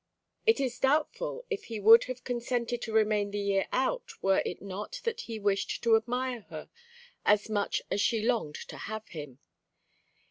It is doubtful if he would have consented to remain the year out were it not that he wished to admire her as much as she longed to have him.